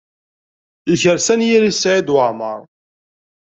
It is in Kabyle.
Yekres anyir-is Saɛid Waɛmaṛ.